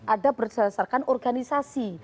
ada berdasarkan organisasi